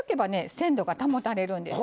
鮮度が保たれるんです。